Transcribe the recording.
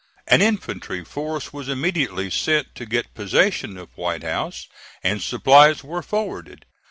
An infantry force was immediately sent to get possession of White House, and supplies were forwarded.